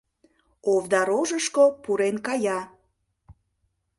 Овда рожышко пурен кая.